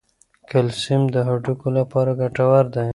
کلسیم د هډوکو لپاره ګټور دی.